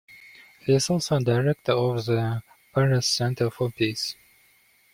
He is also a director of the Peres Center for Peace.